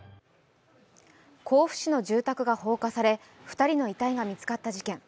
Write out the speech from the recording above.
甲府市の住宅が放火され２人の遺体が見つかった事件。